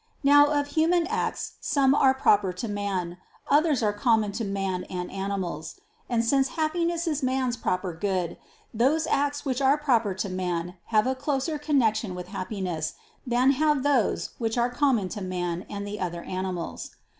Now of human acts some are proper to man; others are common to man and animals. And since Happiness is man's proper good, those acts which are proper to man have a closer connection with Happiness than have those which are common to man and the other animals.